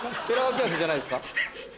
寺脇汗じゃないですか？